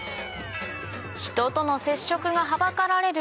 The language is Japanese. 人との接触がはばかられる